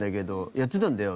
やってたんだよ」